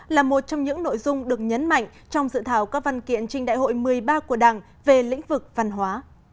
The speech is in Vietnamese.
là một trong những nội dung được nhấn mạnh trong dự thảo các văn kiện trình đại hội một mươi ba của đảng về lĩnh vực văn hóa